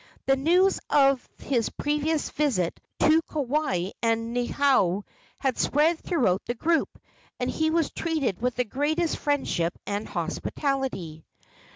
The news of his previous visit to Kauai and Niihau had spread throughout the group, and he was treated with the greatest friendship and hospitality.